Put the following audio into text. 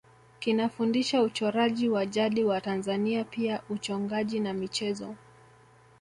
Kinafundisha uchoraji wa jadi wa Tanzania pia uchongaji na michezo